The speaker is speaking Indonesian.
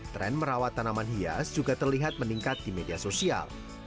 tren merawat tanaman hias juga terlihat meningkat di media sosial